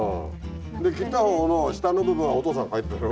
で切った方の下の部分はお父さんはいてたの？